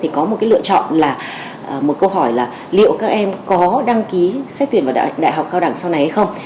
thì có một cái lựa chọn là một câu hỏi là liệu các em có đăng ký xét tuyển vào đại học cao đẳng sau này hay không